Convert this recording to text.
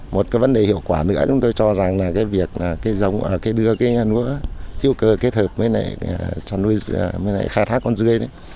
một cái vấn đề hiệu quả nữa chúng tôi cho rằng là cái việc đưa cái lúa thiêu cờ kết hợp với khai thác con rươi